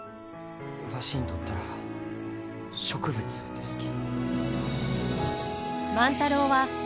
わしにとったら植物ですき。